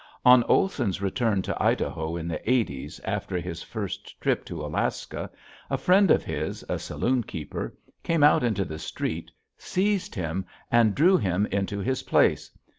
On Olson's return to Idaho in the '80's after his first trip to Alaska a friend of his, a saloon keeper, came out into the street, seized him, and drew him into his place.